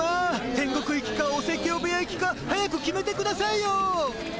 天国行きかお説教部屋行きか早く決めてくださいよ。